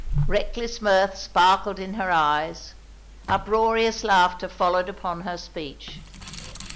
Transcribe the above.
Reckless mirth sparkled in her eyes; uproarious laughter followed upon her speech.